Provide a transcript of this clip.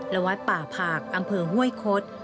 และวัดป่าผากอำเภอห้วยคด